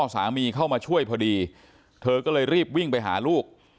สามีเข้ามาช่วยพอดีเธอก็เลยรีบวิ่งไปหาลูก